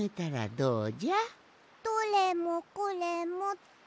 どれもこれもって？